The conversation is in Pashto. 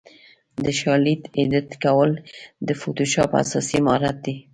د شالید ایډیټ کول د فوټوشاپ اساسي مهارت دی.